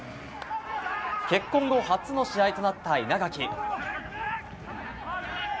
結婚後、初の試合となった稲垣。